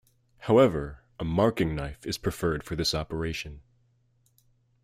However, a marking knife is preferred for this operation.